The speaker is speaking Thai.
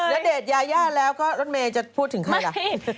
อ๋อเดตยาย่าแล้วก็รถเมล์จะพูดถึงใครละ